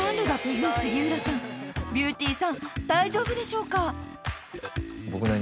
［ビューティーさん大丈夫でしょうか？］